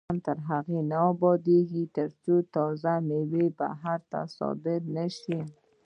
افغانستان تر هغو نه ابادیږي، ترڅو تازه میوې بهر ته صادرې نشي.